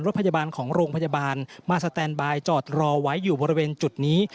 รถพยาบาลของโรงพยาบาลมาสแตนบายจอดรอไว้อยู่บริเวณจุดนี้